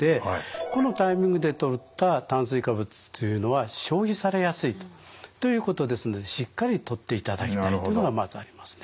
このタイミングでとった炭水化物というのは消費されやすいということですのでしっかりとっていただきたいというのがまずありますね。